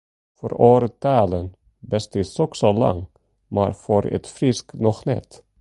Foar oare talen bestie soks al lang, mar foar it Frysk noch net.